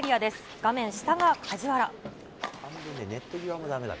画面下が梶原。